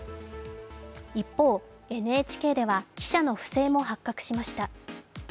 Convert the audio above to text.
一方、ＮＨＫでは記者の不正も発覚しました。